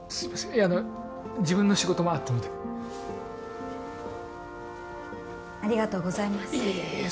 いやあの自分の仕事もあったのでありがとうございますいえいえいえ